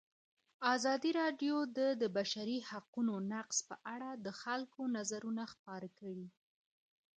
ازادي راډیو د د بشري حقونو نقض په اړه د خلکو نظرونه خپاره کړي.